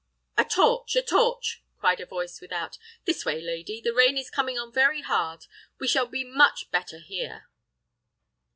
"A torch! a torch!" cried a voice without. "This way, lady. The rain is coming on very hard; we shall be much better here."